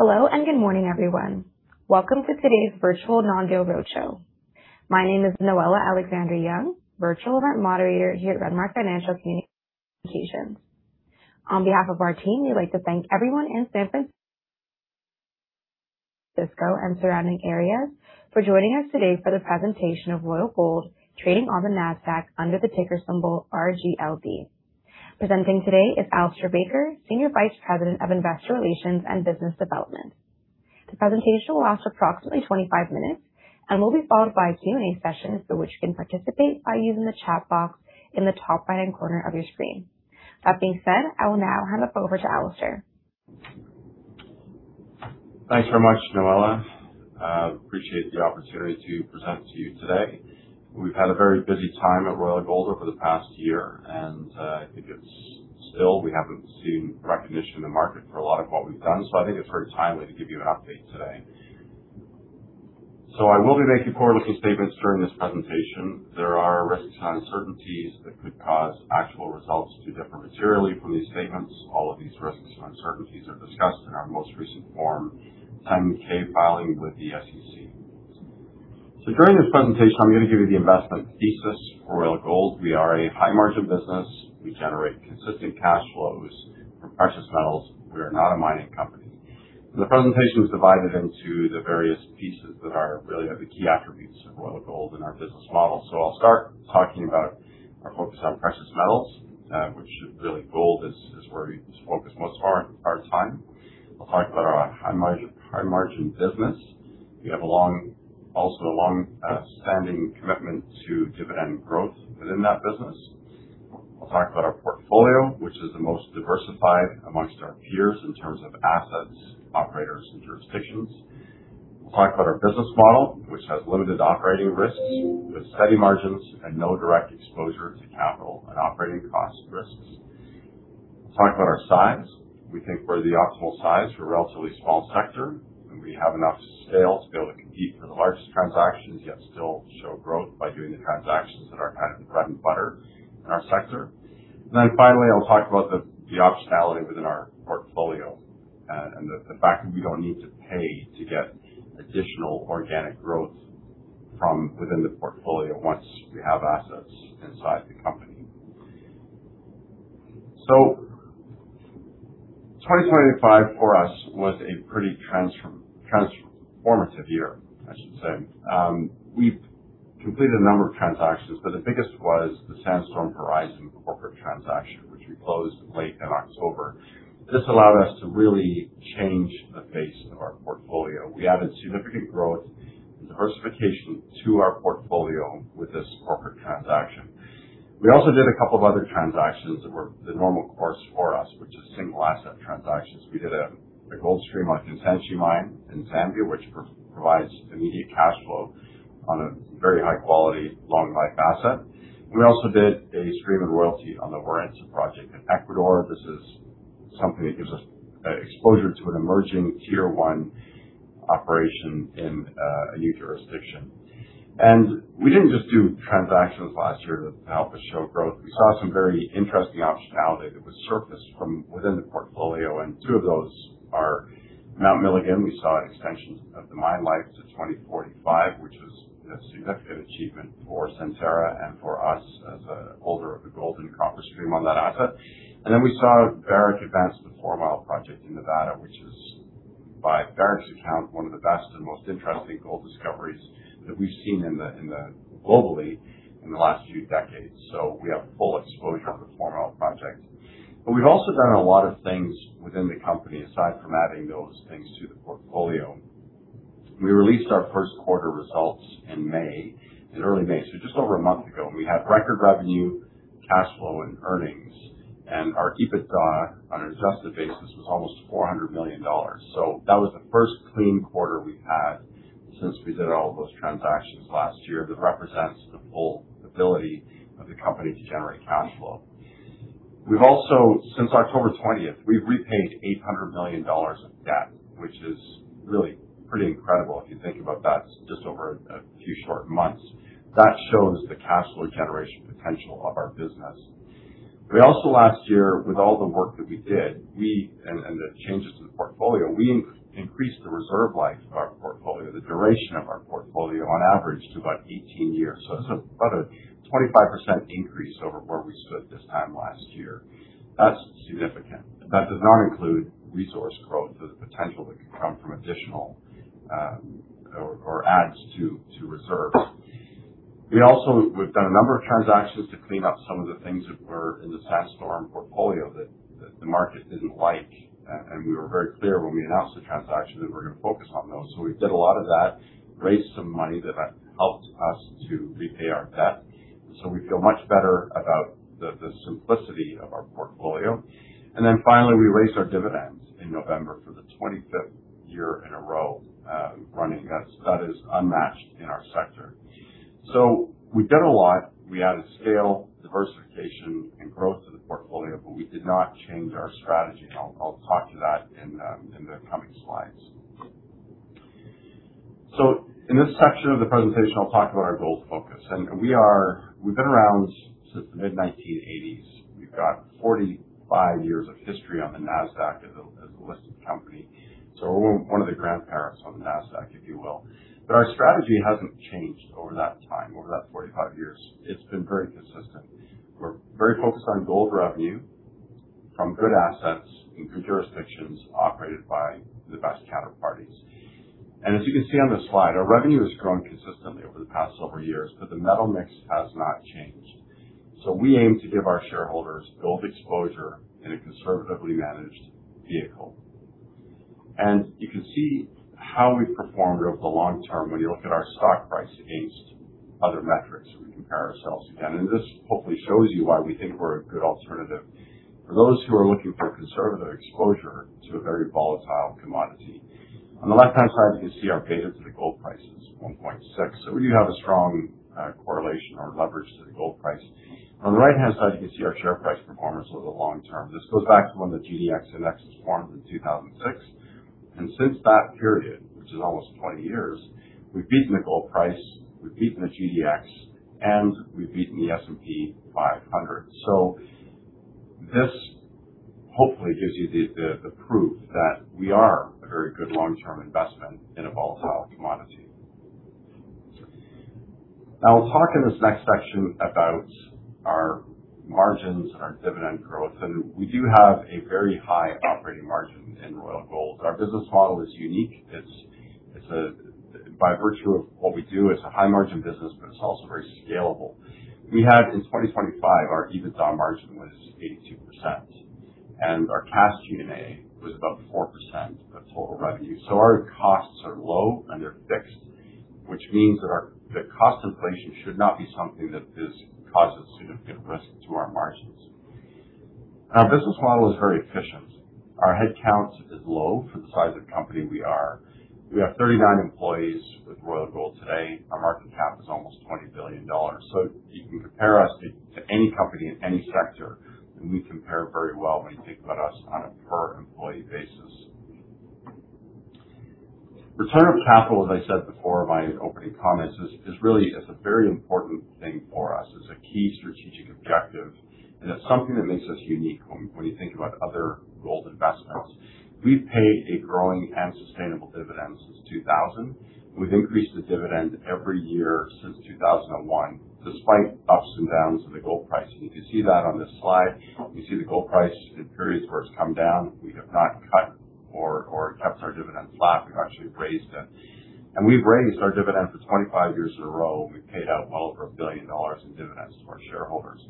Hello and good morning, everyone. Welcome to today's virtual non-deal roadshow. My name is Noella Alexander-Young, Virtual Event Moderator here at Renmark Financial Communications. On behalf of our team, we'd like to thank everyone in San Francisco and surrounding areas for joining us today for the presentation of Royal Gold, trading on the Nasdaq under the ticker symbol RGLD. Presenting today is Alistair Baker, Senior Vice President of Investor Relations and Business Development. The presentation will last approximately 25 minutes and will be followed by a Q&A session through which you can participate by using the chat box in the top right-hand corner of your screen. I will now hand it over to Alistair. Thanks very much, Noella. I appreciate the opportunity to present to you today. We've had a very busy time at Royal Gold over the past year, and I think we haven't seen recognition in the market for a lot of what we've done. I think it's very timely to give you an update today. I will be making forward-looking statements during this presentation. There are risks and uncertainties that could cause actual results to differ materially from these statements. All of these risks and uncertainties are discussed in our most recent Form 10-K filing with the SEC. During this presentation, I'm going to give you the investment thesis for Royal Gold. We are a high margin business. We generate consistent cash flows from precious metals. We are not a mining company. The presentation is divided into the various pieces that are really the key attributes of Royal Gold in our business model. I'll start talking about our focus on precious metals, which really gold is where we focus most of our time. We'll talk about our high margin business. We have also a long-standing commitment to dividend growth within that business. We'll talk about our portfolio, which is the most diversified amongst our peers in terms of assets, operators, and jurisdictions. We'll talk about our business model, which has limited operating risks with steady margins and no direct exposure to capital and operating cost risks. We'll talk about our size. We think we're the optimal size for a relatively small sector, and we have enough scale to be able to compete for the largest transactions, yet still show growth by doing the transactions that are kind of bread and butter in our sector. Finally, I'll talk about the optionality within our portfolio and the fact that we don't need to pay to get additional organic growth from within the portfolio once we have assets inside the company. 2025 for us was a pretty transformative year, I should say. We've completed a number of transactions, but the biggest was the Sandstorm Horizon corporate transaction, which we closed late in October. This allowed us to really change the face of our portfolio. We added significant growth and diversification to our portfolio with this corporate transaction. We also did a couple of other transactions that were the normal course for us, which is single asset transactions. We did a gold stream on Kansanshi mine in Zambia, which provides immediate cash flow on a very high quality, long life asset. We also did a stream and royalty on the Warintza project in Ecuador. This is something that gives us exposure to an emerging Tier 1 operation in a new jurisdiction. We didn't just do transactions last year to help us show growth. We saw some very interesting optionality that was surfaced from within the portfolio, and two of those are Mount Milligan. We saw an extension of the mine life to 2045, which is a significant achievement for Centerra and for us as a holder of the gold and copper stream on that asset. We saw Barrick advance the Fourmile project in Nevada, which is by Barrick's account, one of the best and most interesting gold discoveries that we've seen globally in the last few decades. We have full exposure on the Fourmile project. We've also done a lot of things within the company aside from adding those things to the portfolio. We released our first quarter results in May, in early May, just over a month ago, and we had record revenue, cash flow and earnings, and our EBITDA on an adjusted basis was almost $400 million. That was the first clean quarter we've had since we did all those transactions last year. That represents the full ability of the company to generate cash flow. We've also, since October 20th, we've repaid $800 million of debt, which is really pretty incredible if you think about that just over a few short months. That shows the cash flow generation potential of our business. We also last year, with all the work that we did and the changes to the portfolio, we increased the reserve life of our portfolio, the duration of our portfolio on average to about 18 years. That's about a 25% increase over where we stood this time last year. That's significant. That does not include resource growth as a potential that could come from additional or adds to reserves. We also, we've done a number of transactions to clean up some of the things that were in the Sandstorm portfolio that the market didn't like. We were very clear when we announced the transaction that we're going to focus on those. We did a lot of that, raised some money that helped us to repay our debt. We feel much better about the simplicity of our portfolio. Finally, we raised our dividends in November for the 25th year in a row running. That is unmatched in our sector. We've done a lot. We added scale, diversification, and growth to the portfolio, but we did not change our strategy. I'll talk to that in the coming slides. In this section of the presentation, I'll talk about our gold focus. We've been around since the mid 1980s. We've got 45 years of history on the Nasdaq as a listed company. We're one of the grandparents on the Nasdaq, if you will. Our strategy hasn't changed over that time, over that 45 years. It's been very consistent. We're very focused on gold revenue from good assets in good jurisdictions operated by the best counterparties. As you can see on this slide, our revenue has grown consistently over the past several years, but the metal mix has not changed. We aim to give our shareholders gold exposure in a conservatively managed vehicle. You can see how we've performed over the long term when you look at our stock price against other metrics, and we compare ourselves again, and this hopefully shows you why we think we're a good alternative for those who are looking for conservative exposure to a very volatile commodity. On the left-hand side, you can see our beta to the gold price is 1.6. We do have a strong correlation or leverage to the gold price. On the right-hand side, you can see our share price performance over the long term. This goes back to when the GDX index was formed in 2006. Since that period, which is almost 20 years, we've beaten the gold price, we've beaten the GDX, and we've beaten the S&P 500. This hopefully gives you the proof that we are a very good long-term investment in a volatile commodity. I'll talk in this next section about our margins and our dividend growth, and we do have a very high operating margin in Royal Gold. Our business model is unique. By virtue of what we do, it's a high margin business, but it's also very scalable. We have in 2025, our EBITDA margin was 82%, and our cash G&A was about 4% of total revenue. Our costs are low and they're fixed, which means that cost inflation should not be something that causes significant risk to our margins. Our business model is very efficient. Our headcount is low for the size of company we are. We have 39 employees with Royal Gold today. Our market cap is almost $20 billion. You can compare us to any company in any sector, and we compare very well when you think about us on a per employee basis. Return of capital, as I said before in my opening comments, is a very important thing for us. It's a key strategic objective, and it's something that makes us unique when you think about other gold investment trusts. We've paid a growing and sustainable dividend since 2000. We've increased the dividend every year since 2001, despite ups and downs of the gold price. You can see that on this slide. You see the gold price in periods where it's come down, we have not cut or kept our dividends flat. We've actually raised them. We've raised our dividend for 25 years in a row, and we've paid out well over $1 billion in dividends to our shareholders.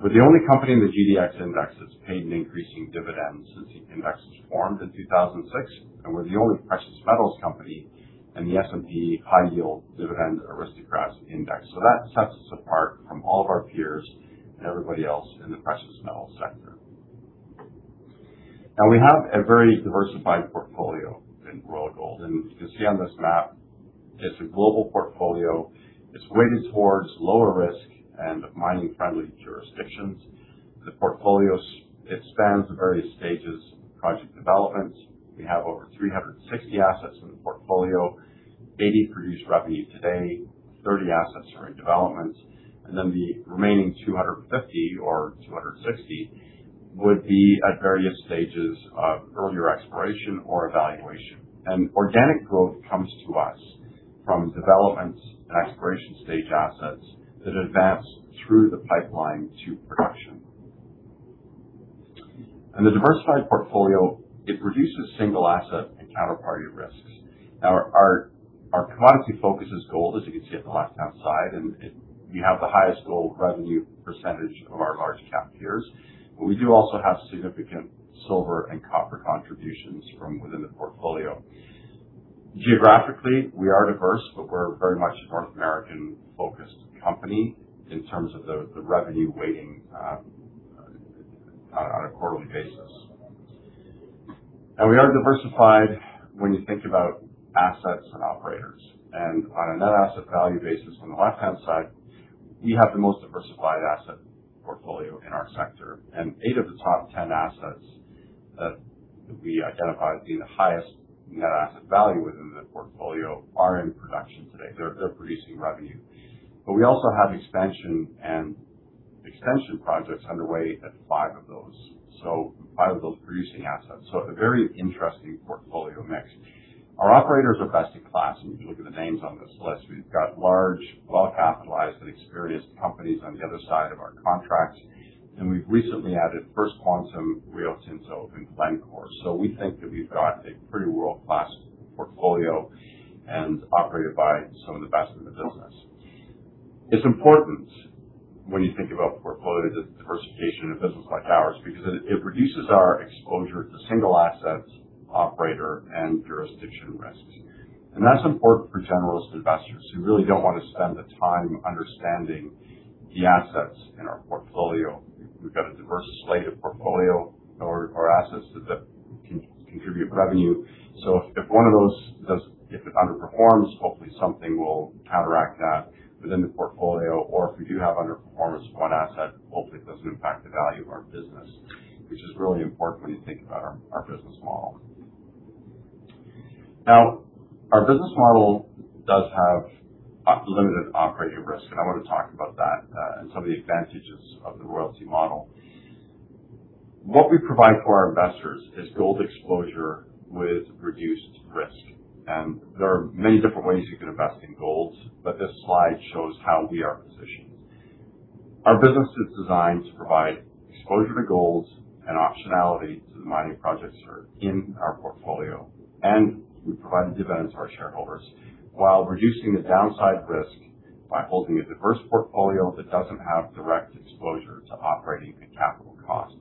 We're the only company in the GDX index that's paid an increasing dividend since the index was formed in 2006, and we're the only precious metals company in the S&P High Yield Dividend Aristocrats Index. That sets us apart from all of our peers and everybody else in the precious metal sector. We have a very diversified portfolio in Royal Gold. You can see on this map, it's a global portfolio. It's weighted towards lower risk and mining-friendly jurisdictions. The portfolio spans the various stages of project developments. We have over 360 assets in the portfolio. 80 produce revenue today, 30 assets are in development, the remaining 250 or 260 would be at various stages of earlier exploration or evaluation. Organic growth comes to us from development and exploration stage assets that advance through the pipeline to production. In the diversified portfolio, it reduces single asset and counterparty risks. Our commodity focus is gold, as you can see at the left-hand side, we have the highest gold revenue percentage of our large cap peers. We do also have significant silver and copper contributions from within the portfolio. Geographically, we are diverse, but we're very much a North American-focused company in terms of the revenue weighting on a quarterly basis. We are diversified when you think about assets and operators. On a net asset value basis, on the left-hand side, we have the most diversified asset portfolio in our sector, eight of the top 10 assets that we identify as being the highest net asset value within the portfolio are in production today. They're producing revenue. We also have expansion and extension projects underway at five of those. Five of those producing assets. A very interesting portfolio mix. Our operators are best in class, if you look at the names on this list, we've got large, well-capitalized, and experienced companies on the other side of our contracts, we've recently added First Quantum, Rio Tinto, and Glencore. We think that we've got a pretty world-class portfolio and operated by some of the best in the business. It's important when you think about the portfolio, the diversification of a business like ours, because it reduces our exposure to single assets, operator, and jurisdiction risks. That's important for generalist investors who really don't want to spend the time understanding the assets in our portfolio. We've got a diverse slate of portfolio or assets that contribute revenue. If one of those underperforms, hopefully something will counteract that within the portfolio, or if we do have underperformance of one asset, hopefully it doesn't impact the value of our business, which is really important when you think about our business model. Our business model does have limited operating risk, I want to talk about that and some of the advantages of the royalty model. What we provide for our investors is gold exposure with reduced risk. There are many different ways you can invest in gold, this slide shows how we are positioned. Our business is designed to provide exposure to gold and optionality to the mining projects that are in our portfolio, we provide a dividend to our shareholders while reducing the downside risk by holding a diverse portfolio that doesn't have direct exposure to operating and capital costs.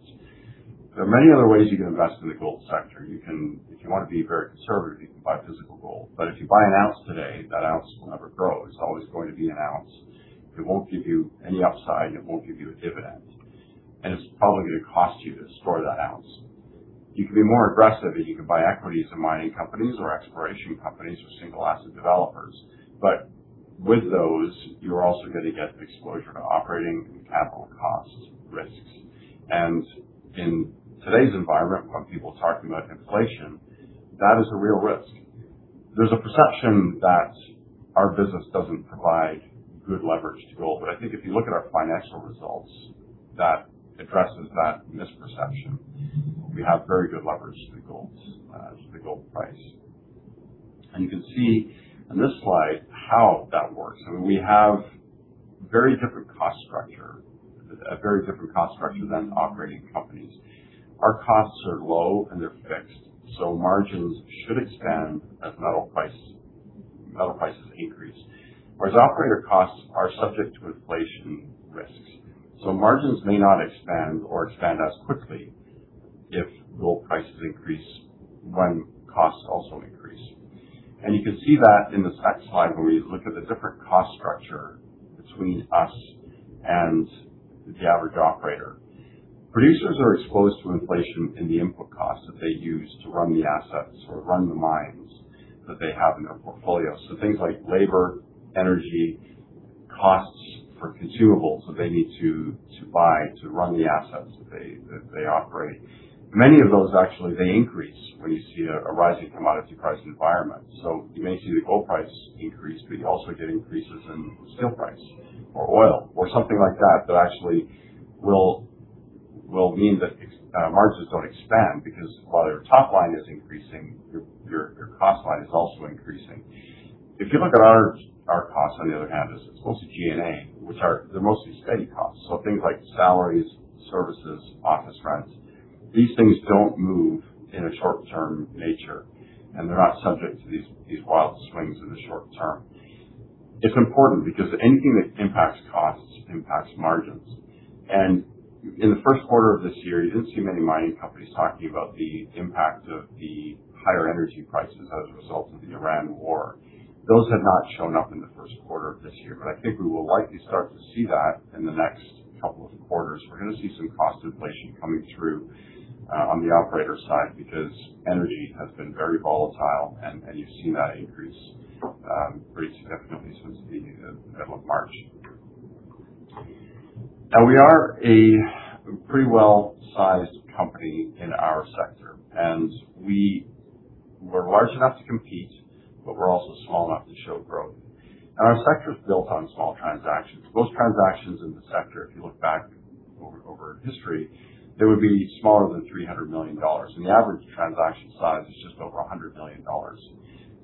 There are many other ways you can invest in the gold sector. If you want to be very conservative, you can buy physical gold. If you buy an ounce today, that ounce will never grow. It's always going to be an ounce. It won't give you any upside, and it won't give you a dividend. It's probably going to cost you to store that ounce. You can be more aggressive, you can buy equities in mining companies or exploration companies or single asset developers. With those, you are also going to get exposure to operating and capital cost risks. In today's environment, when people are talking about inflation, that is a real risk. There's a perception that our business doesn't provide good leverage to gold. I think if you look at our financial results, that addresses that misperception. We have very good leverage to the gold price. You can see on this slide how that works. I mean, we have a very different cost structure than operating companies. Our costs are low, and they're fixed, so margins should expand as metal prices increase. Whereas operator costs are subject to inflation risks. Margins may not expand or expand as quickly if gold prices increase when costs also increase. You can see that in this next slide when we look at the different cost structure between us and the average operator. Producers are exposed to inflation in the input costs that they use to run the assets or run the mines that they have in their portfolio. Things like labor, energy, costs for consumables that they need to buy to run the assets that they operate. Many of those actually they increase when you see a rising commodity price environment. You may see the gold price increase, you also get increases in steel price or oil or something like that actually will mean that margins don't expand because while your top line is increasing, your cost line is also increasing. If you look at our costs, on the other hand, as exposed to G&A, which are mostly steady costs. Things like salaries, services, office rents. These things don't move in a short-term nature, they're not subject to these wild swings in the short term. It's important because anything that impacts costs impacts margins. In the first quarter of this year, you didn't see many mining companies talking about the impact of the higher energy prices as a result of the tariff war. Those have not shown up in the first quarter of this year, I think we will likely start to see that in the next couple of quarters. We're going to see some cost inflation coming through on the operator side because energy has been very volatile, and you've seen that increase pretty significantly since the middle of March. We are a pretty well-sized company in our sector, we're large enough to compete, we're also small enough to show growth. Our sector is built on small transactions. Most transactions in the sector, if you look back over history, they would be smaller than $300 million. The average transaction size is just over $100 million.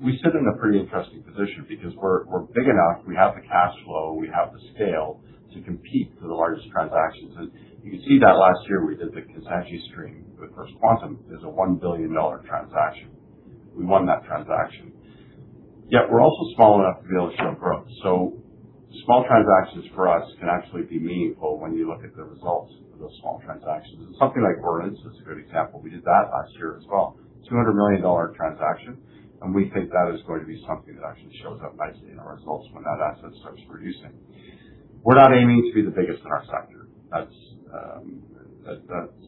We sit in a pretty interesting position because we're big enough, we have the cash flow, we have the scale to compete for the largest transactions. You can see that last year we did the Kansanshi stream with First Quantum is a $1 billion transaction. We won that transaction. We're also small enough to be able to show growth. Small transactions for us can actually be meaningful when you look at the results of those small transactions. Something like Vernon's is a good example. We did that last year as well. $200 million transaction. We think that is going to be something that actually shows up nicely in our results when that asset starts producing. We're not aiming to be the biggest in our sector. That's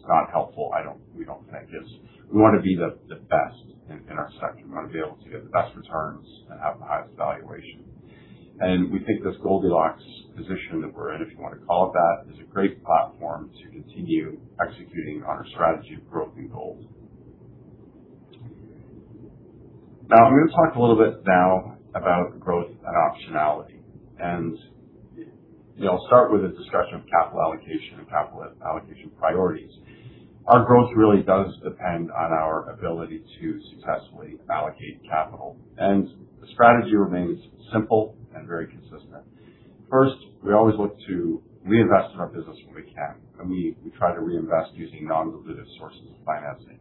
not helpful. We want to be the best in our sector. We want to be able to get the best returns and have the highest valuation. We think this Goldilocks position that we're in, if you want to call it that, is a great platform to continue executing on our strategy of growth and gold. I'm going to talk a little bit now about growth and optionality. I'll start with a discussion of capital allocation and capital allocation priorities. Our growth really does depend on our ability to successfully allocate capital. The strategy remains simple and very consistent. First, we always look to reinvest in our business when we can, and we try to reinvest using non-dilutive sources of financing.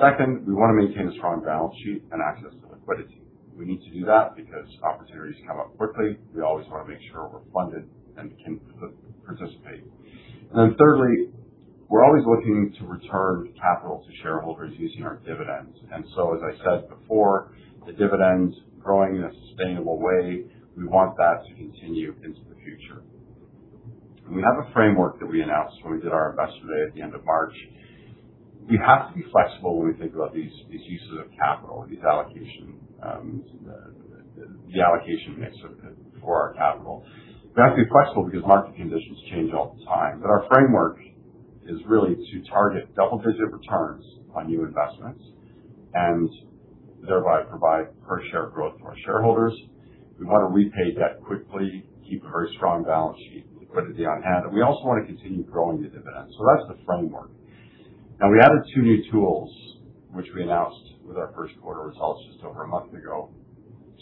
Second, we want to maintain a strong balance sheet and access to liquidity. We need to do that because opportunities come up quickly. We always want to make sure we're funded and can participate. Thirdly, we're always looking to return capital to shareholders using our dividends. As I said before, the dividend growing in a sustainable way, we want that to continue into the future. We have a framework that we announced when we did our investor day at the end of March. We have to be flexible when we think about these uses of capital, the allocation mix for our capital. We have to be flexible because market conditions change all the time. Our framework is really to target double-digit returns on new investments, and thereby provide per share growth for our shareholders. We want to repay debt quickly, keep a very strong balance sheet, liquidity on hand, and we also want to continue growing the dividend. That's the framework. We added two new tools, which we announced with our first quarter results just over a month ago,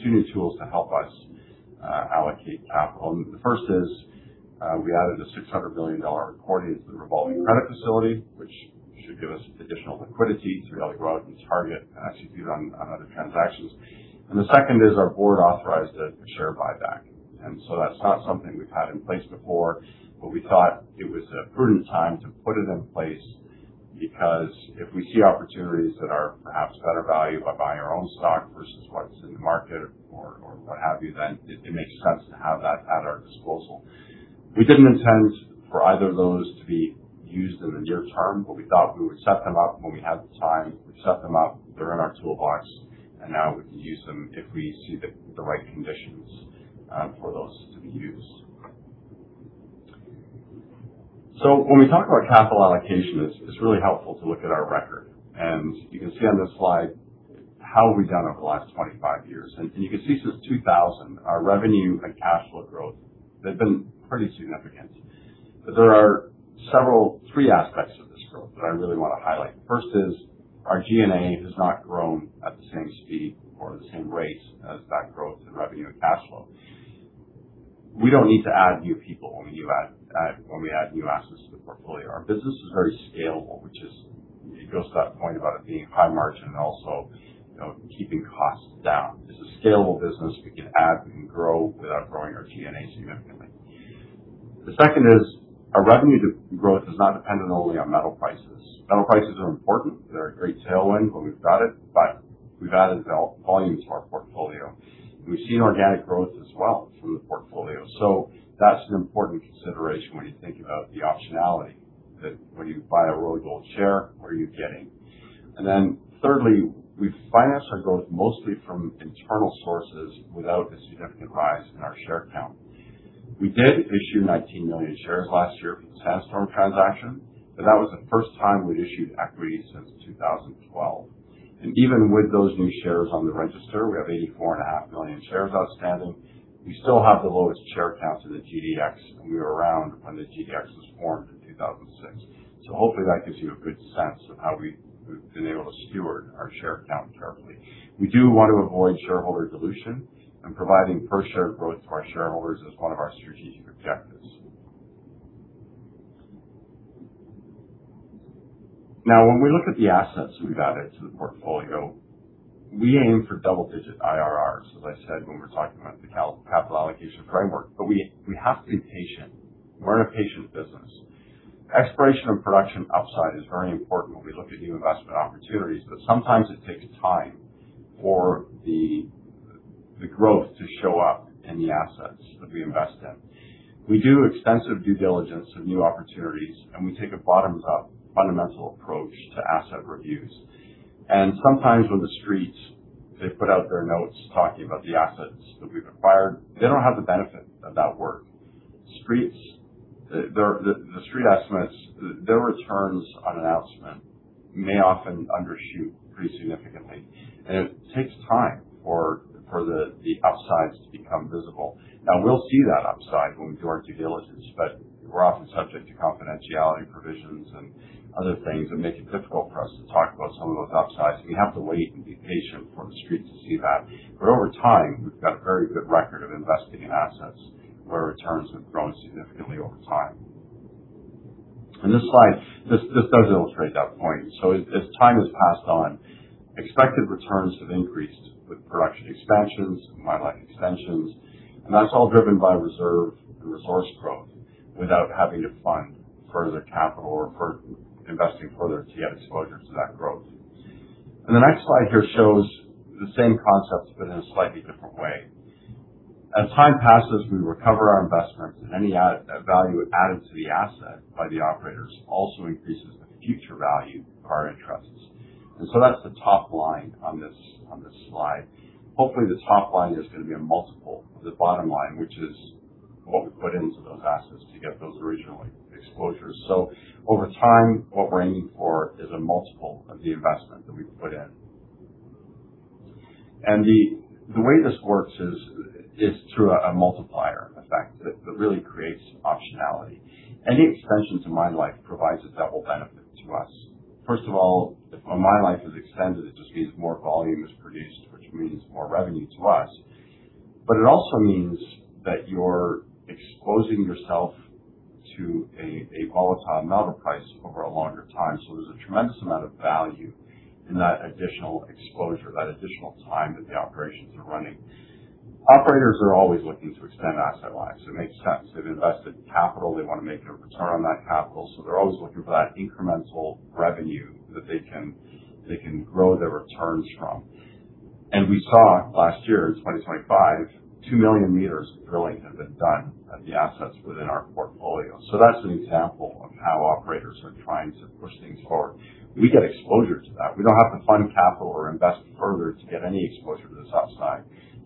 two new tools to help us allocate capital. The first is, we added a $600 million recording to the revolving credit facility, which should give us additional liquidity to really grow out and target and actually bid on other transactions. The second is our board authorized a share buyback. That's not something we've had in place before, but we thought it was a prudent time to put it in place, because if we see opportunities that are perhaps better value by buying our own stock versus what's in the market or what have you, then it makes sense to have that at our disposal. We didn't intend for either of those to be used in the near term, but we thought we would set them up when we had the time. We set them up, they're in our toolbox, and now we can use them if we see the right conditions for those to be used. When we talk about capital allocation, it's really helpful to look at our record. You can see on this slide how we've done over the last 25 years. You can see since 2000, our revenue and cash flow growth, they've been pretty significant. There are three aspects of this growth that I really want to highlight. First is, our G&A has not grown at the same speed or the same rate as that growth in revenue and cash flow. We don't need to add new people when we add new assets to the portfolio. Our business is very scalable, which is, it goes to that point about it being high margin and also keeping costs down. It's a scalable business. We can grow without growing our G&A significantly. The second is our revenue growth is not dependent only on metal prices. Metal prices are important. They're a great tailwind when we've got it, but we've added volume to our portfolio, and we've seen organic growth as well from the portfolio. That's an important consideration when you think about the optionality that when you buy a Royal Gold share, what are you getting? Thirdly, we finance our growth mostly from internal sources without a significant rise in our share count. We did issue 19 million shares last year for the Sandstorm transaction, but that was the first time we'd issued equity since 2012. Even with those new shares on the register, we have 84.5 million shares outstanding. We still have the lowest share count in the GDX, and we were around when the GDX was formed in 2006. Hopefully that gives you a good sense of how we've been able to steward our share count carefully. We do want to avoid shareholder dilution, and providing per share growth to our shareholders is one of our strategic objectives. When we look at the assets we've added to the portfolio, we aim for double-digit IRRs, as I said when we're talking about the capital allocation framework, we have to be patient. We're in a patient business. Exploration and production upside is very important when we look at new investment opportunities, sometimes it takes time for the growth to show up in the assets that we invest in. We do extensive due diligence of new opportunities, and we take a bottoms-up fundamental approach to asset reviews. Sometimes when the Street, they put out their notes talking about the assets that we've acquired, they don't have the benefit of that work. The Street estimates, their returns on an announcement may often undershoot pretty significantly, and it takes time for the upsides to become visible. We'll see that upside when we do our due diligence, we're often subject to confidentiality provisions and other things that make it difficult for us to talk about some of those upsides. You have to wait and be patient for the Street to see that. Over time, we've got a very good record of investing in assets where returns have grown significantly over time. This slide does illustrate that point. As time has passed on, expected returns have increased with production expansions and mine life extensions, and that's all driven by reserve and resource growth without having to fund further capital or investing further to get exposure to that growth. The next slide here shows the same concepts but in a slightly different way. As time passes, we recover our investments and any value added to the asset by the operators also increases the future value of our interests. That's the top line on this slide. Hopefully, this top line is going to be a multiple of the bottom line, which is what we put into those assets to get those original exposures. Over time, what we're aiming for is a multiple of the investment that we've put in. The way this works is through a multiplier effect that really creates optionality. Any extension to mine life provides a double benefit to us. First of all, if a mine life is extended, it just means more volume is produced, which means more revenue to us. It also means that you're exposing yourself to a volatile metal price over a longer time. There's a tremendous amount of value in that additional exposure, that additional time that the operations are running. Operators are always looking to extend asset lives. It makes sense. They've invested capital. They want to make their return on that capital. They're always looking for that incremental revenue that they can grow their returns from. We saw last year, in 2025, 2 million meters of drilling had been done at the assets within our portfolio. That's an example of how operators are trying to push things forward. We get exposure to that. We don't have to fund capital or invest further to get any exposure to this upside.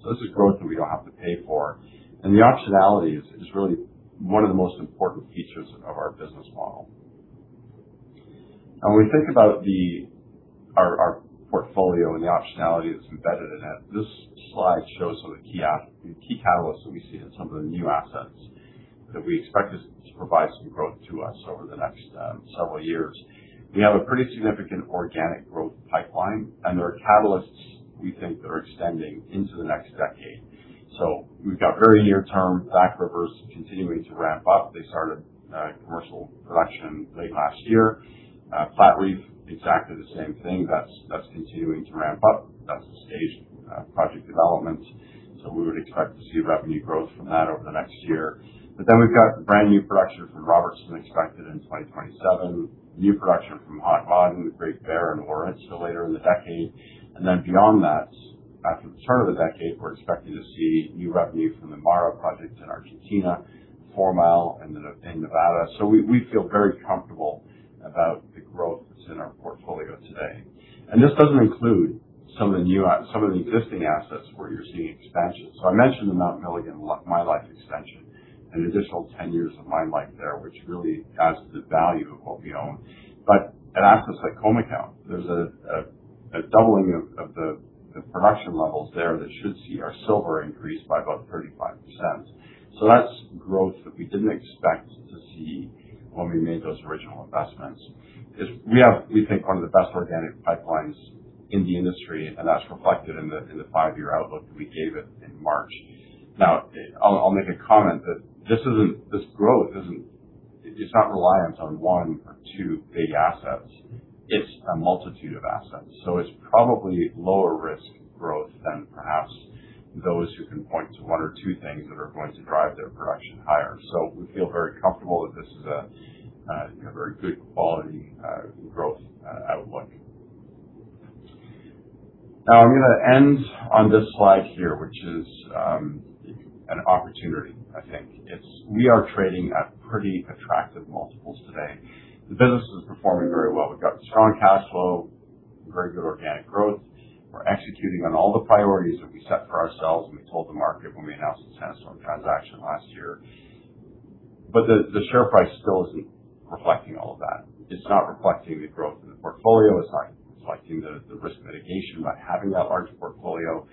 This is growth that we don't have to pay for. The optionality is really one of the most important features of our business model. When we think about our portfolio and the optionality that's embedded in it, this slide shows some of the key catalysts that we see in some of the new assets that we expect to provide some growth to us over the next several years. We have a pretty significant organic growth pipeline, and there are catalysts we think that are extending into the next decade. We've got very near term Back River continuing to ramp up. They started commercial production late last year. Platreef, exactly the same thing. That's continuing to ramp up. That's a stage in project development, we would expect to see revenue growth from that over the next year. We've got brand new production from Robertson expected in 2027, new production from Haggan, Great Bear, and Lawrence later in the decade. Beyond that, after the turn of the decade, we're expecting to see new revenue from the Mara project in Argentina, Fourmile, and up in Nevada. We feel very comfortable about the growth that's in our portfolio today. This doesn't include some of the existing assets where you're seeing expansion. I mentioned the Mount Milligan mine life extension, an additional 10 years of mine life there, which really adds to the value of what we own. At assets like Cowal, there's a doubling of the production levels there that should see our silver increase by about 35%. That's growth that we didn't expect to see when we made those original investments, is we have, we think, one of the best organic pipelines in the industry, and that's reflected in the five-year outlook that we gave it in March. I'll make a comment that this growth isn't reliant on one or two big assets. It's a multitude of assets. It's probably lower risk growth than perhaps those who can point to one or two things that are going to drive their production higher. We feel very comfortable that this is a very good quality growth outlook. I'm going to end on this slide here, which is an opportunity, I think. We are trading at pretty attractive multiples today. The business is performing very well. We've got strong cash flow, very good organic growth. We're executing on all the priorities that we set for ourselves, and we told the market when we announced the Sandstorm transaction last year. The share price still isn't reflecting all of that. It's not reflecting the growth in the portfolio. It's not reflecting the risk mitigation by having that large portfolio.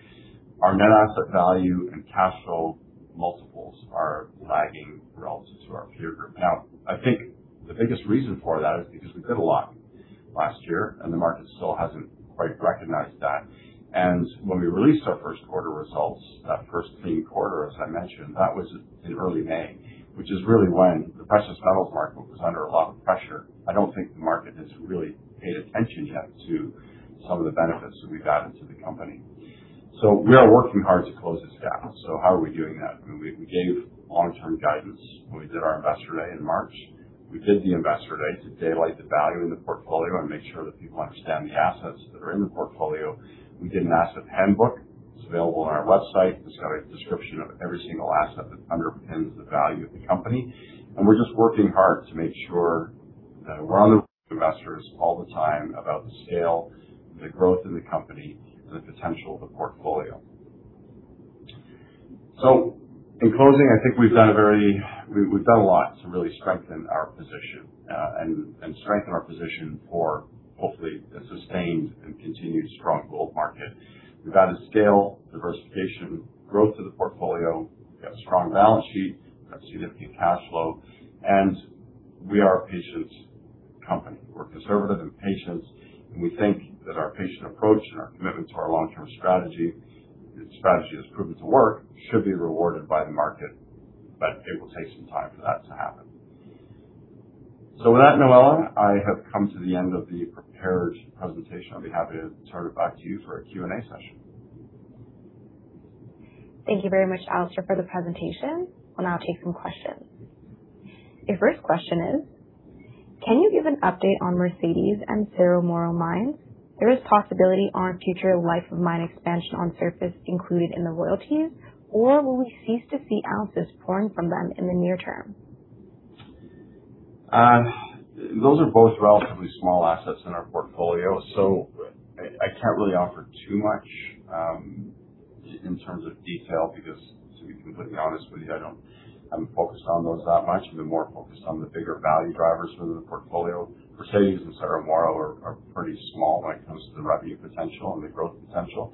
Our net asset value and cash flow multiples are lagging relative to our peer group. I think the biggest reason for that is because we did a lot last year, and the market still hasn't quite recognized that. When we released our first quarter results, that first clean quarter, as I mentioned, that was in early May, which is really when the precious metals market was under a lot of pressure. I don't think the market has really paid attention yet to some of the benefits that we've added to the company. We are working hard to close this gap. How are we doing that? We gave long-term guidance when we did our investor day in March. We did the investor day to daylight the value in the portfolio and make sure that people understand the assets that are in the portfolio. We did an asset handbook. It's available on our website. It's got a description of every single asset that underpins the value of the company. We're just working hard to make sure that we're on the investors all the time about the scale, the growth in the company, the potential of the portfolio. In closing, I think we've done a lot to really strengthen our position and strengthen our position for hopefully a sustained and continued strong gold market. We've added scale, diversification, growth to the portfolio. We've got a strong balance sheet. We've got significant cash flow, and we are a patient company. We're conservative and patient, we think that our patient approach and our commitment to our long-term strategy, a strategy that's proven to work, should be rewarded by the market, it will take some time for that to happen. With that, Noella, I have come to the end of the prepared presentation. I'll be happy to turn it back to you for a Q&A session. Thank you very much, Alistair, for the presentation. We will now take some questions. Your first question is: Can you give an update on Mercedes and Cerro Moro mines? There is possibility on future life of mine expansion on surface included in the royalties, or will we cease to see ounces pouring from them in the near term? Those are both relatively small assets in our portfolio. I cannot really offer too much in terms of detail because to be completely honest with you, I have not focused on those that much. I have been more focused on the bigger value drivers within the portfolio. Mercedes and Cerro Moro are pretty small when it comes to the revenue potential and the growth potential.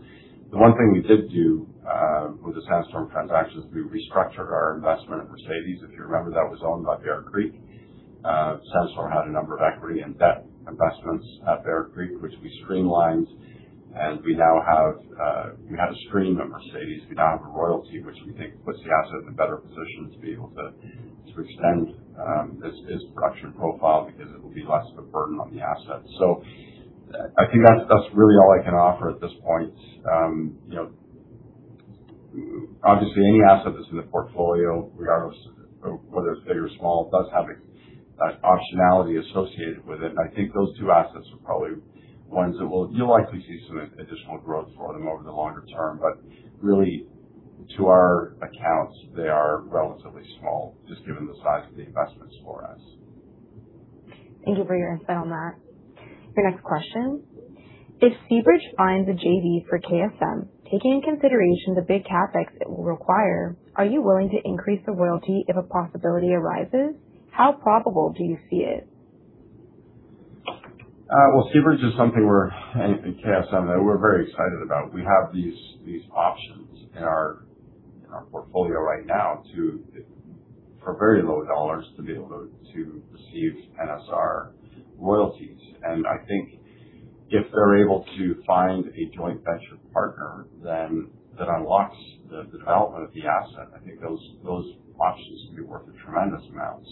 The one thing we did do with the Sandstorm transaction is we restructured our investment in Mercedes. If you remember, that was owned by Bear Creek. Sandstorm had a number of equity and debt investments at Bear Creek, which we streamlined, and we had a stream at Mercedes. We now have a royalty, which we think puts the asset in a better position to be able to extend this production profile because it will be less of a burden on the asset. I think that is really all I can offer at this point. Obviously, any asset that is in the portfolio, regardless of whether it is big or small, does have that optionality associated with it. I think those two assets are probably ones that you will likely see some additional growth for them over the longer term. Really, to our accounts, they are relatively small, just given the size of the investments for us. Thank you for your insight on that. Your next question: if Seabridge finds a JV for KSM, taking into consideration the big CapEx it will require, are you willing to increase the royalty if a possibility arises? How probable do you see it? Well, Seabridge Gold is something we're, and KSM, that we're very excited about. We have these options in our portfolio right now to, for very low dollars, to be able to receive NSR royalties. I think if they're able to find a joint venture partner, then that unlocks the development of the asset. I think those options can be worth a tremendous amount.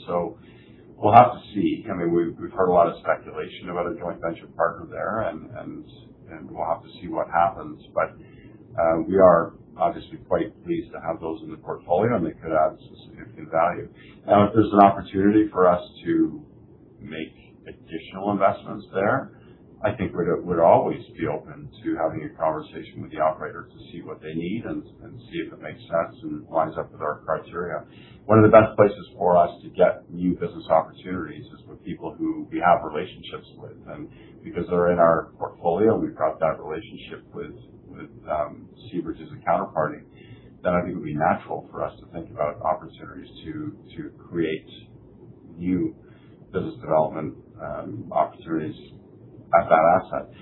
We'll have to see. I mean, we've heard a lot of speculation about a joint venture partner there, and we'll have to see what happens. We are obviously quite pleased to have those in the portfolio, and they could add significant value. If there's an opportunity for us to make additional investments there, I think we'd always be open to having a conversation with the operator to see what they need and see if it makes sense and lines up with our criteria. One of the best places for us to get new business opportunities is with people who we have relationships with. Because they're in our portfolio, we've got that relationship with Seabridge Gold as a counterparty, that I think would be natural for us to think about opportunities to create new business development opportunities at that asset.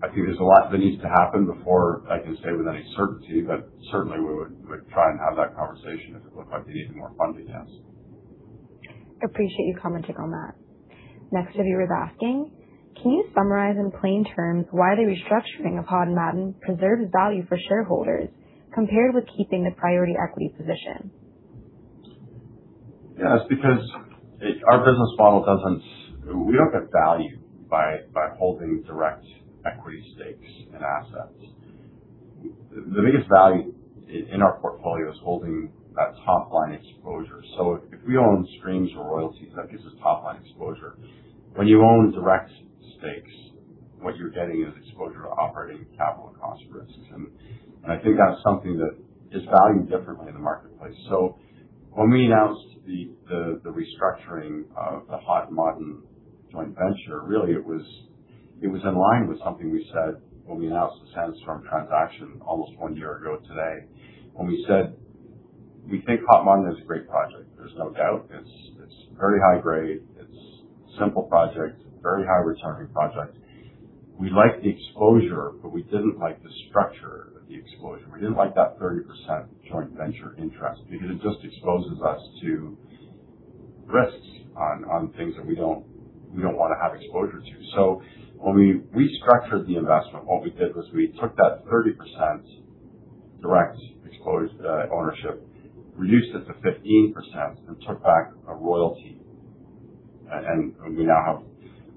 I think there's a lot that needs to happen before I can say with any certainty. Certainly, we would try and have that conversation if it looked like it even more funded, yes. Appreciate you commenting on that. Next viewer is asking, can you summarize in plain terms why the restructuring of Hod Maden preserves value for shareholders compared with keeping the priority equity position? Yeah. We don't get value by holding direct equity stakes in assets. The biggest value in our portfolio is holding that top line exposure. If we own streams or royalties, that gives us top line exposure. When you own direct stakes, what you're getting is exposure to operating capital and cost risks. I think that's something that is valued differently in the marketplace. When we announced the restructuring of the Hod Maden joint venture, really it was in line with something we said when we announced the Sandstorm transaction almost one year ago today, when we said we think Hod Maden is a great project. There's no doubt. It's very high grade. It's simple project, very high returning project. We like the exposure, but we didn't like the structure of the exposure. We didn't like that 30% joint venture interest because it just exposes us to risks on things that we don't want to have exposure to. When we restructured the investment, what we did was we took that 30% direct ownership, reduced it to 15%, and took back a royalty. We now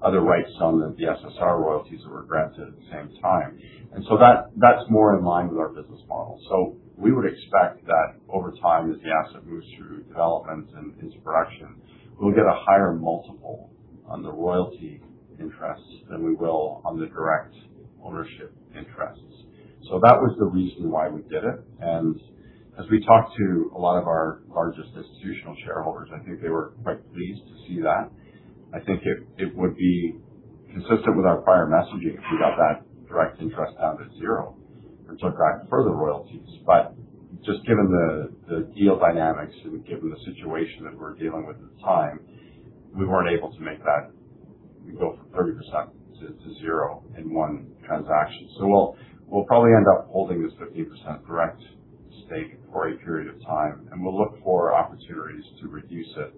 have other rights on the SSR royalties that were granted at the same time. That's more in line with our business model. We would expect that over time, as the asset moves through development and into production, we'll get a higher multiple on the royalty interest than we will on the direct ownership interests. That was the reason why we did it. As we talked to a lot of our largest institutional shareholders, I think they were quite pleased to see that. I think it would be consistent with our prior messaging if we got that direct interest down to zero and took back further royalties. Just given the deal dynamics and given the situation that we're dealing with at the time, we weren't able to make that go from 30% to zero in one transaction. We'll probably end up holding this 15% direct stake for a period of time, and we'll look for opportunities to reduce it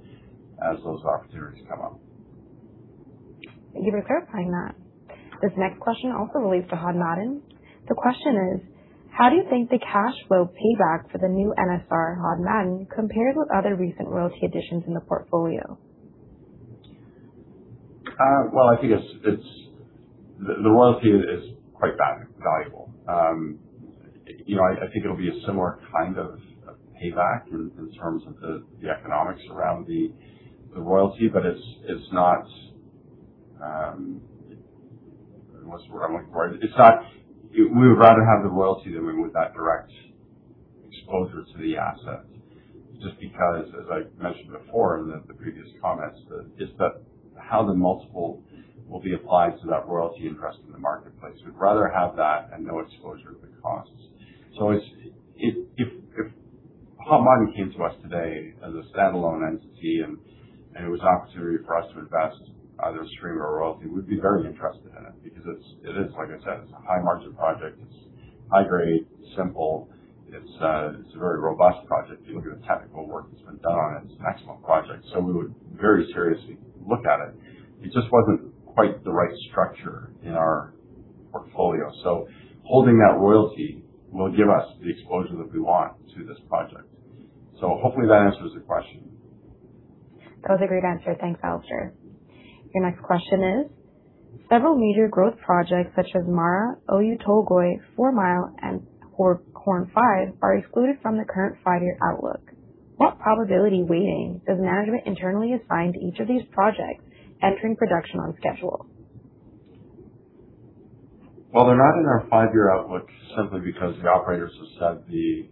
as those opportunities come up. Thank you for clarifying that. This next question also relates to Hod Maden. The question is: how do you think the cash flow payback for the new NSR Hod Maden compared with other recent royalty additions in the portfolio? I think the royalty is quite valuable. I think it'll be a similar kind of payback in terms of the economics around the royalty, but it's not. What's the word I'm looking for? We would rather have the royalty than we would that direct exposure to the asset. Just because, as I mentioned before in the previous comments, it's that how the multiple will be applied to that royalty interest in the marketplace. We'd rather have that and no exposure to the costs. If Hod Maden came to us today as a standalone entity and it was an opportunity for us to invest either a stream or a royalty, we'd be very interested in it because it is, like I said, it's a high margin project. It's high grade, simple. It's a very robust project. If you look at the technical work that's been done on it's an excellent project. We would very seriously look at it. It just wasn't quite the right structure in our portfolio. Holding that royalty will give us the exposure that we want to this project. Hopefully that answers the question. That was a great answer. Thanks, Alistair. Your next question is: Several major growth projects such as Mara, Oyu Tolgoi, Fourmile, and Horne 5 are excluded from the current five-year outlook. What probability weighting does management internally assign to each of these projects entering production on schedule? Well, they're not in our five-year outlook simply because the operators have said they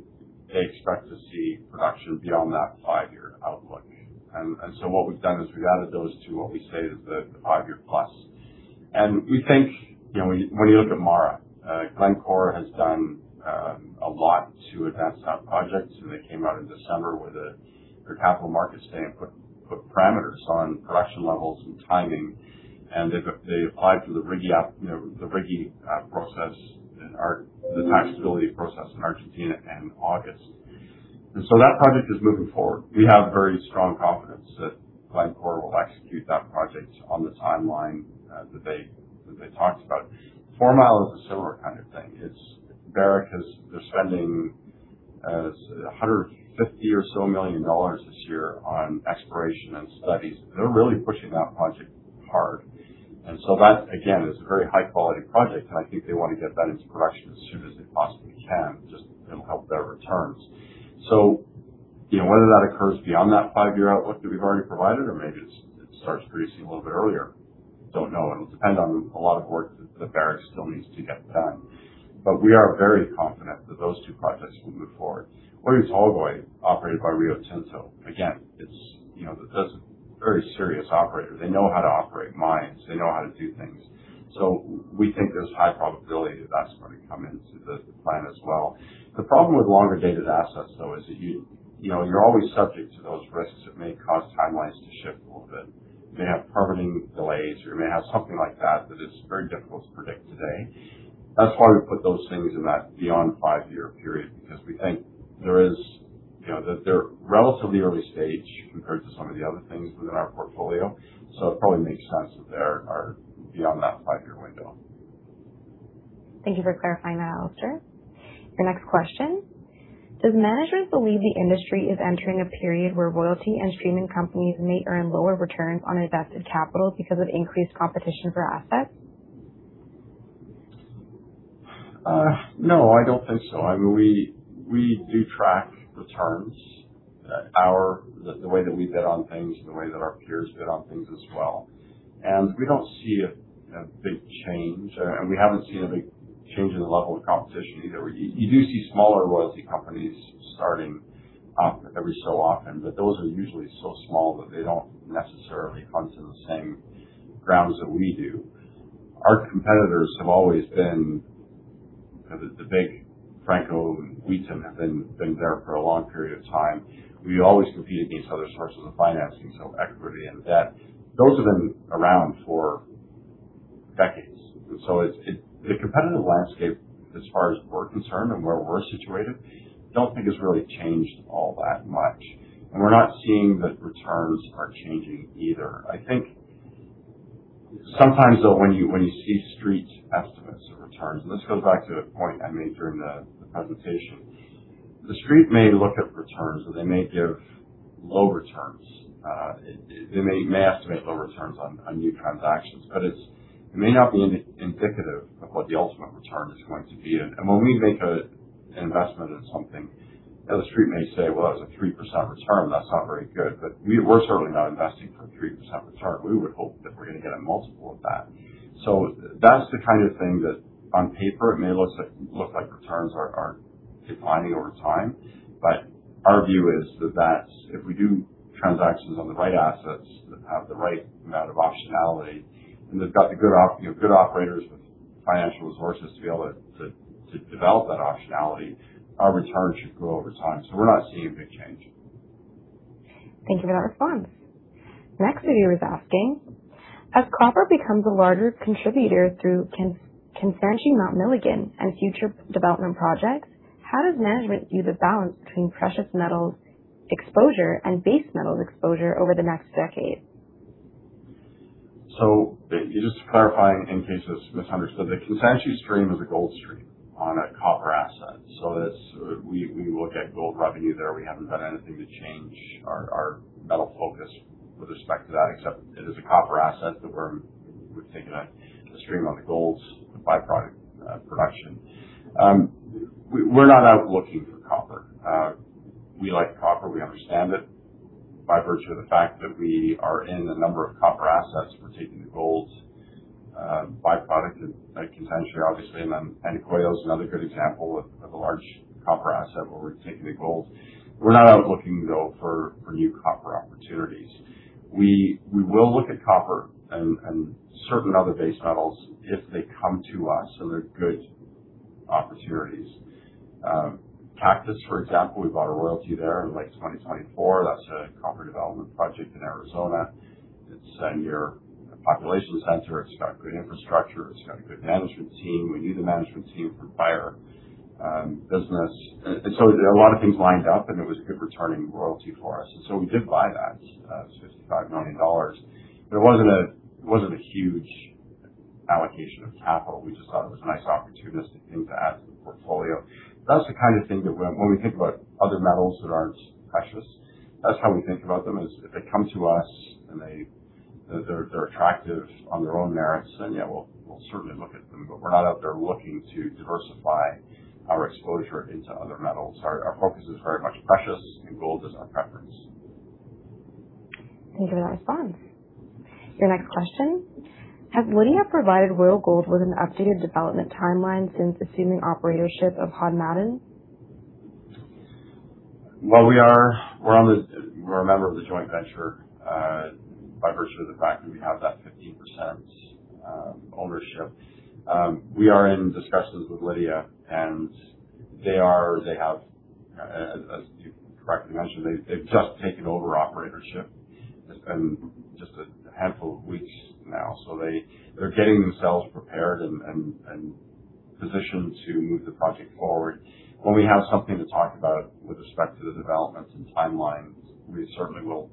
expect to see production beyond that five-year outlook. What we've done is we've added those to what we say is the five-year plus. We think when you look at Mara, Glencore has done a lot to advance that project. They came out in December with their capital market stay and put parameters on production levels and timing, and they applied for the RIGI process and the taxability process in Argentina in August. That project is moving forward. We have very strong confidence that Glencore will execute that project on the timeline that they talked about. Fourmile is a similar kind of thing. Barrick is spending $150 million or so this year on exploration and studies. They're really pushing that project hard. That, again, is a very high-quality project, and I think they want to get that into production as soon as they possibly can, just it'll help their returns. Whether that occurs beyond that five-year outlook that we've already provided or maybe it starts producing a little bit earlier, don't know. It'll depend on a lot of work that Barrick still needs to get done. We are very confident that those two projects will move forward. Oyu Tolgoi, operated by Rio Tinto. Again, this is a very serious operator. They know how to operate mines, they know how to do things. We think there's a high probability that that's going to come into the plan as well. The problem with longer-dated assets, though, is that you're always subject to those risks that may cause timelines to shift a little bit. You may have permitting delays, or you may have something like that it's very difficult to predict today. That's why we put those things in that beyond five-year period, because we think that they're relatively early stage compared to some of the other things within our portfolio. It probably makes sense that they are beyond that five-year window. Thank you for clarifying that, Alistair. Your next question: Does management believe the industry is entering a period where royalty and streaming companies may earn lower returns on invested capital because of increased competition for assets? No, I don't think so. We do track returns, the way that we bid on things and the way that our peers bid on things as well. We don't see a big change, and we haven't seen a big change in the level of competition either. You do see smaller royalty companies starting up every so often, those are usually so small that they don't necessarily hunt in the same grounds that we do. Our competitors have always been the big, Franco and Wheaton have been there for a long period of time. We always compete against other sources of financing, so equity and debt. Those have been around for decades. The competitive landscape as far as we're concerned and where we're situated, don't think it's really changed all that much, and we're not seeing that returns are changing either. I think sometimes, though, when you see Street estimates of returns, this goes back to a point I made during the presentation. The Street may look at returns, or they may give low returns. They may estimate low returns on new transactions, it may not be indicative of what the ultimate return is going to be. When we make an investment in something, the Street may say, "Well, that was a 3% return. That's not very good." We're certainly not investing for a 3% return. We would hope that we're going to get a multiple of that. That's the kind of thing that on paper, it may look like returns are declining over time. Our view is that if we do transactions on the right assets that have the right amount of optionality, and they've got the good operators with financial resources to be able to develop that optionality, our returns should grow over time. We're not seeing a big change. Thank you for that response. Next viewer is asking: As copper becomes a larger contributor through Kansanshi, Mount Milligan, and future development projects, how does management view the balance between precious metals exposure and base metals exposure over the next decade? Just clarifying in case it's misunderstood, the Kansanshi stream is a gold stream on a copper asset. We look at gold revenue there. We haven't done anything to change our metal focus with respect to that, except it is a copper asset that we're taking a stream on the gold's byproduct production. We're not out looking for copper. We like copper. We understand it. By virtue of the fact that we are in a number of copper assets, we're taking the gold byproduct at Kansanshi, obviously, and then [NiCuO] is another good example of a large copper asset where we're taking the gold. We're not out looking, though, for new copper opportunities. We will look at copper and certain other base metals if they come to us and they're good opportunities. Cactus, for example, we bought a royalty there in late 2024. That's a copper development project in Arizona. It's a near population center. It's got good infrastructure. It's got a good management team. We knew the management team from prior business. There are a lot of things lined up, and it was a good returning royalty for us. We did buy that. It was $55 million. It wasn't a huge allocation of capital. We just thought it was a nice opportunistic thing to add to the portfolio. That's the kind of thing that when we think about other metals that aren't precious, that's how we think about them, is if they come to us and they're attractive on their own merits, then yeah, we'll certainly look at them, but we're not out there looking to diversify our exposure into other metals. Our focus is very much precious and gold is our preference. Thank you for that response. Your next question: have Lidya provided Royal Gold with an updated development timeline since assuming operatorship of Hod Maden? We're a member of the joint venture, by virtue of the fact that we have that 15% ownership. We are in discussions with Lidya, and as you correctly mentioned, they've just taken over operatorship. It's been just a handful of weeks now. They're getting themselves prepared and positioned to move the project forward. When we have something to talk about with respect to the developments and timelines, we certainly will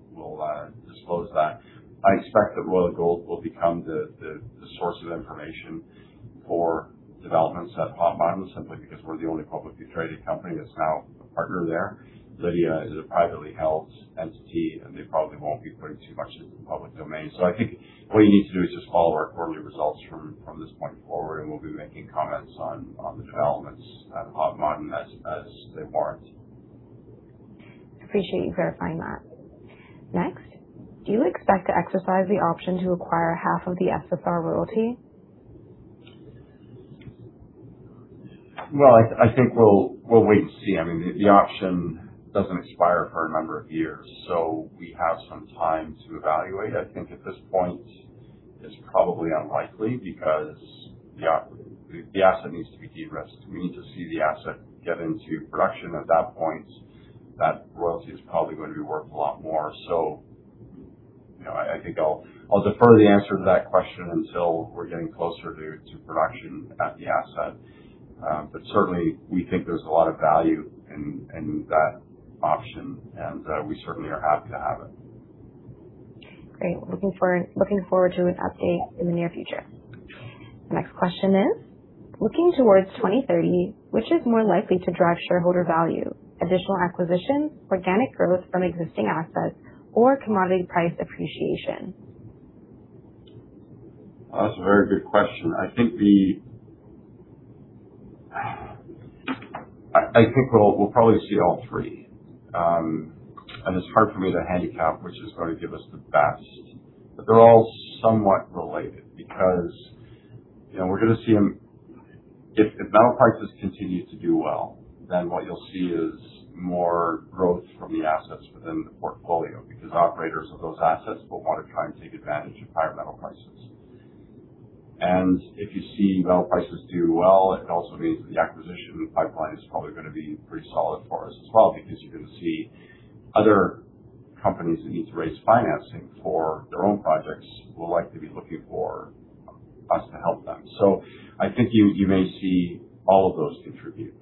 disclose that. I expect that Royal Gold will become the source of information for developments at Hod Maden simply because we're the only publicly traded company that's now a partner there. Lidya is a privately held entity, and they probably won't be putting too much into the public domain. I think what you need to do is just follow our quarterly results from this point forward, and we'll be making comments on the developments at Hod Maden as they warrant. Appreciate you verifying that. Next, do you expect to exercise the option to acquire half of the [RGLD]? I think we'll wait and see. The option doesn't expire for a number of years, so we have some time to evaluate. I think at this point, it's probably unlikely because the asset needs to be de-risked. We need to see the asset get into production. At that point, that royalty is probably going to be worth a lot more. I think I'll defer the answer to that question until we're getting closer to production at the asset. Certainly, we think there's a lot of value in that option, and we certainly are happy to have it. Great. Looking forward to an update in the near future. The next question is: looking towards 2030, which is more likely to drive shareholder value, additional acquisitions, organic growth from existing assets, or commodity price appreciation? That's a very good question. I think we'll probably see all three. It's hard for me to handicap which is going to give us the best, they're all somewhat related because we're going to see them If metal prices continue to do well, then what you'll see is more growth from the assets within the portfolio because operators of those assets will want to try and take advantage of high metal prices. If you see metal prices do well, it also means that the acquisition pipeline is probably going to be pretty solid for us as well because you're going to see other companies that need to raise financing for their own projects will likely be looking for us to help them. I think you may see all of those contribute.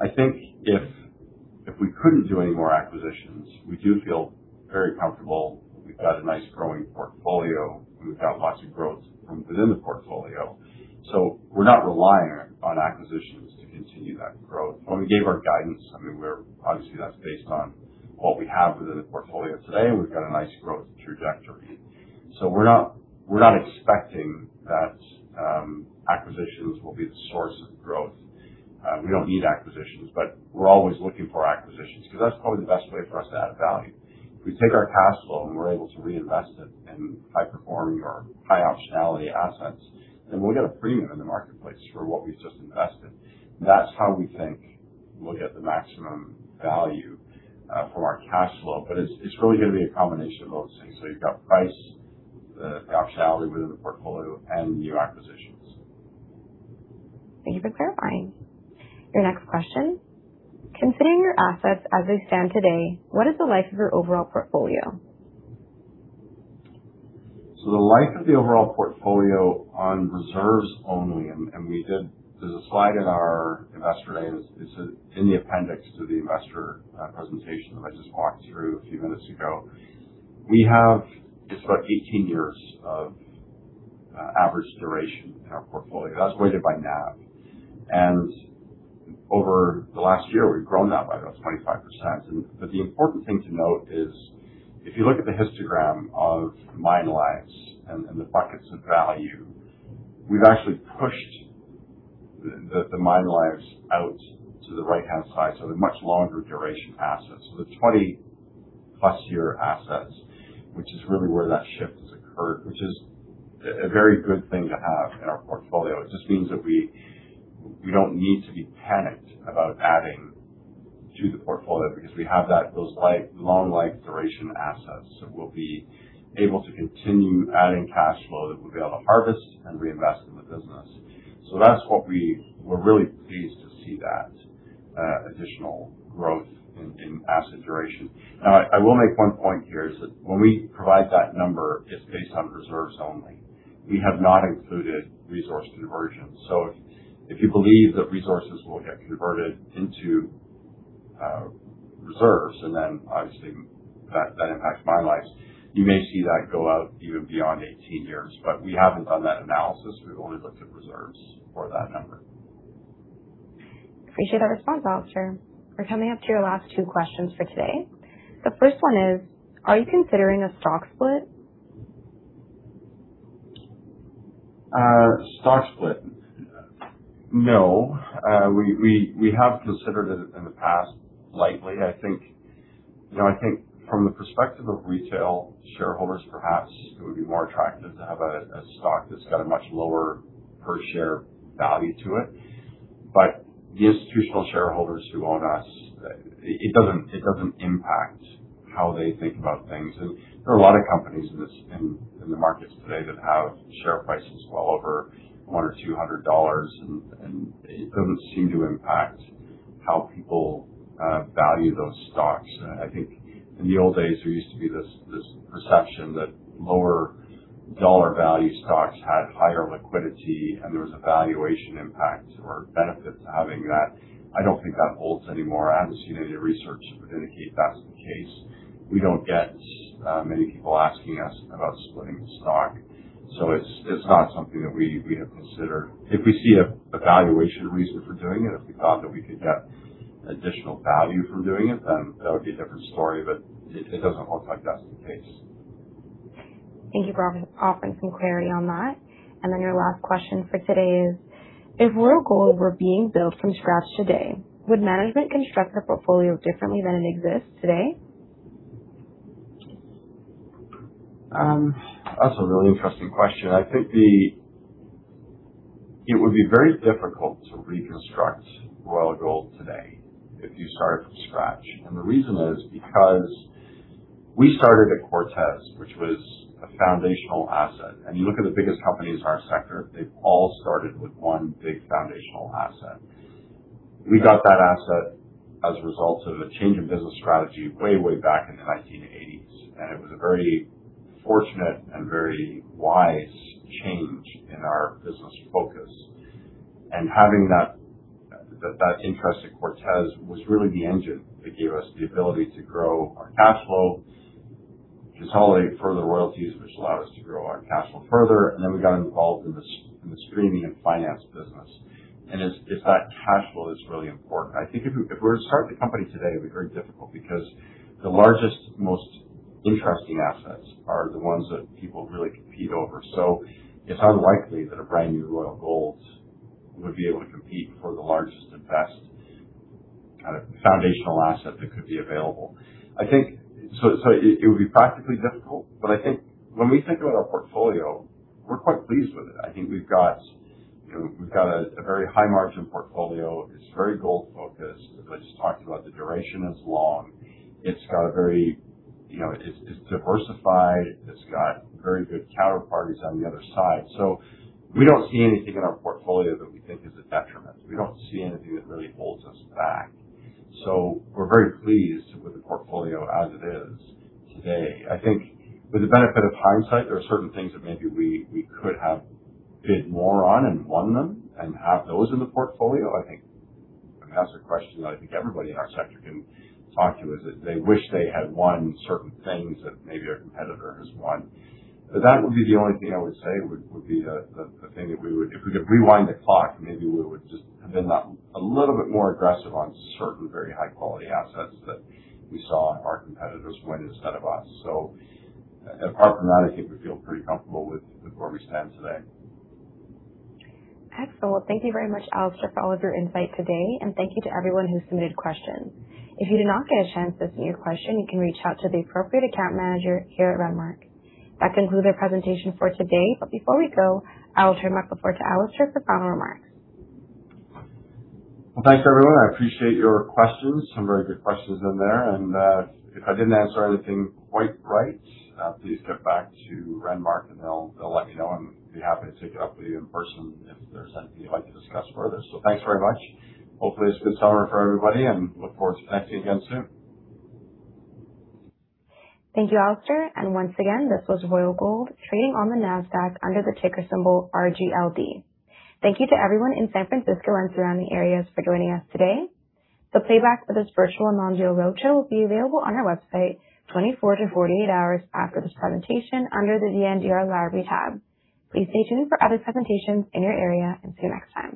I think if we couldn't do any more acquisitions, we do feel very comfortable that we've got a nice growing portfolio. We've got lots of growth from within the portfolio. We're not relying on acquisitions to continue that growth. When we gave our guidance, obviously that's based on what we have within the portfolio today, we've got a nice growth trajectory. We're not expecting that acquisitions will be the source of growth. We don't need acquisitions, we're always looking for acquisitions because that's probably the best way for us to add value. If we take our cash flow and we're able to reinvest it in high performing or high optionality assets, then we'll get a premium in the marketplace for what we've just invested. That's how we think we'll get the maximum value from our cash flow. It's really going to be a combination of those things. You've got price, the optionality within the portfolio, and new acquisitions. Thank you for clarifying. Your next question: considering your assets as they stand today, what is the life of your overall portfolio? The life of the overall portfolio on reserves only, and there's a slide in our investor deck, it's in the appendix to the investor presentation that I just walked through a few minutes ago. We have just about 18 years of average duration in our portfolio. That's weighted by NAV. Over the last year, we've grown that by about 25%. The important thing to note is, if you look at the histogram of mine lives and the buckets of value, we've actually pushed the mine lives out to the right-hand side, so they're much longer duration assets. They're 20+ year assets, which is really where that shift has occurred, which is a very good thing to have in our portfolio. It just means that we don't need to be panicked about adding to the portfolio because we have those long life duration assets. We'll be able to continue adding cash flow that we'll be able to harvest and reinvest in the business. That's what we were really pleased to see that additional growth in asset duration. I will make one point here, is that when we provide that number, it's based on reserves only. We have not included resource conversions. If you believe that resources will get converted into reserves, then obviously that impacts mine life. You may see that go out even beyond 18 years, we haven't done that analysis. We've only looked at reserves for that number. Appreciate that response, Alistair. We're coming up to your last two questions for today. The first one is, are you considering a stock split? Stock split? No. We have considered it in the past lightly. I think from the perspective of retail shareholders, perhaps it would be more attractive to have a stock that's got a much lower per share value to it. The institutional shareholders who own us, it doesn't impact how they think about things. There are a lot of companies in the markets today that have share prices well over one or $200, and it doesn't seem to impact how people value those stocks. I think in the old days, there used to be this perception that lower dollar value stocks had higher liquidity and there was a valuation impact or benefit to having that. I don't think that holds anymore. I haven't seen any research that would indicate that's the case. We don't get many people asking us about splitting the stock, so it's not something that we have considered. If we see a valuation reason for doing it, if we thought that we could get additional value from doing it, that would be a different story. It doesn't look like that's the case. Thank you for offering some clarity on that. Your last question for today is, if Royal Gold were being built from scratch today, would management construct their portfolio differently than it exists today? That's a really interesting question. I think it would be very difficult to reconstruct Royal Gold today if you started from scratch. The reason is because we started at Cortez, which was a foundational asset. You look at the biggest companies in our sector, they've all started with one big foundational asset. We got that asset as a result of a change in business strategy way back in the 1980s, and it was a very fortunate and very wise change in our business focus. Having that interest in Cortez was really the engine that gave us the ability to grow our cash flow, consolidate further royalties, which allowed us to grow our cash flow further, then we got involved in the streaming and finance business. It's that cash flow that's really important. I think if we were to start the company today, it would be very difficult because the largest, most interesting assets are the ones that people really compete over. It's unlikely that a brand new Royal Gold would be able to compete for the largest and best foundational asset that could be available. It would be practically difficult, but I think when we think about our portfolio, we're quite pleased with it. I think we've got a very high margin portfolio. It's very gold focused. As I just talked about, the duration is long. It's diversified. It's got very good counterparties on the other side. We don't see anything in our portfolio that we think is a detriment. We don't see anything that really holds us back. We're very pleased with the portfolio as it is today. I think with the benefit of hindsight, there are certain things that maybe we could have bid more on and won them and have those in the portfolio. That's a question that I think everybody in our sector can talk to, is that they wish they had won certain things that maybe a competitor has won. That would be the only thing I would say would be the thing that we would. If we could rewind the clock, maybe we would just have been a little bit more aggressive on certain very high-quality assets that we saw our competitors win instead of us. Apart from that, I think we feel pretty comfortable with where we stand today. Excellent. Thank you very much, Alistair, for all of your insight today. Thank you to everyone who submitted questions. If you did not get a chance to submit a question, you can reach out to the appropriate account manager here at Renmark. That concludes our presentation for today. Before we go, I will turn back the floor to Alistair for final remarks. Thanks everyone. I appreciate your questions. Some very good questions in there. If I didn't answer anything quite right, please get back to Renmark and they'll let me know, and I'd be happy to take it up with you in person if there's anything you'd like to discuss further. Thanks very much. Hopefully it's a good summer for everybody, and look forward to talking to you again soon. Thank you, Alistair. Once again, this was Royal Gold trading on the Nasdaq under the ticker symbol RGLD. Thank you to everyone in San Francisco and surrounding areas for joining us today. The playback for this virtual and non-deal roadshow will be available on our website 24 to 48 hours after this presentation under the VNDR Library tab. Please stay tuned for other presentations in your area, see you next time